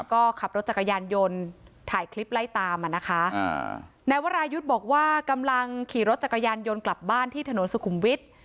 ก็ขับรถจักรยานยนต์ถ่ายคลิปไล่ตามอ่ะนะคะนายวรายุทธ์บอกว่ากำลังขี่รถจักรยานยนต์กลับบ้านที่ถนนสุขุมวิทย์